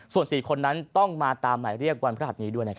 ส่วน๔คนนั้นต้องมาตามหมายเรียกวันพระหัสนี้ด้วย